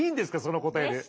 その答えで。